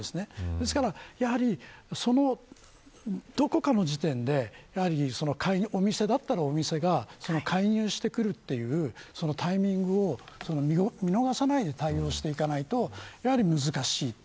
ですから、やはりその、どこかの時点でお店だったら、お店が介入てくるというタイミングを見逃さないで対応していかないとやはり難しい。